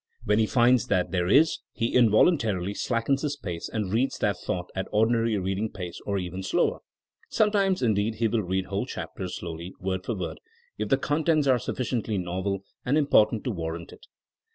When he finds that there is he involuntarily slackens his pace and reads that thought at ordinary reading pace or even slower. Sometimes indeed he will read whole chapters slowly, word for word, if the con tents are sufficiently novel and important to war rant it.